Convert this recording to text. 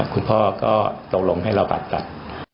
คุณพ่อก็ตรงลมให้เราปรับตัด